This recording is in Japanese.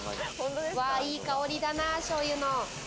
いい香りだな、しょうゆの。